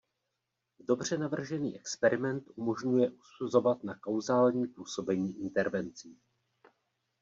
Dobře navržený experiment umožňuje usuzovat na kauzální působení intervencí.